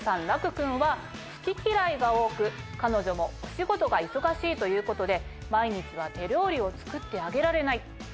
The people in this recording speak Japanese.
楽くんは好き嫌いが多く彼女もお仕事が忙しいということで毎日は手料理を作ってあげられない。